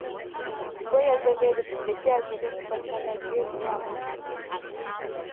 ښویې عضلې د سکلیټي عضلو په پرتله ډېر ورو عمل کوي.